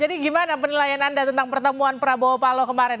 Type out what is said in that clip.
jadi gimana penilaian anda tentang pertemuan prabowo pakai